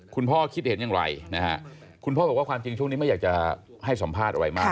คิดเห็นอย่างไรนะฮะคุณพ่อบอกว่าความจริงช่วงนี้ไม่อยากจะให้สัมภาษณ์อะไรมาก